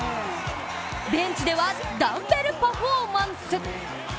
ベンチではダンベルパフォーマンス。